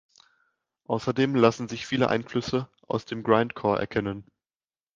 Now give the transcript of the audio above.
Außerdem lassen sich viele Einflüsse aus dem Grindcore erkennen.